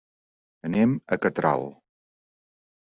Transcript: Anem a Catral.